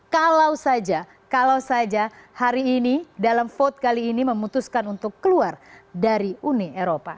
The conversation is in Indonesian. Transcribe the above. kalau saja kalau saja hari ini dalam vote kali ini memutuskan untuk keluar dari uni eropa